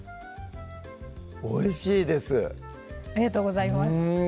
おいしいですありがとうございます